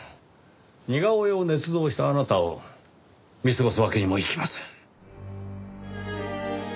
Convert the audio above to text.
似顔絵を捏造したあなたを見過ごすわけにもいきません。